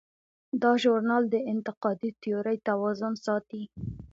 دا ژورنال د انتقادي تیورۍ توازن ساتي.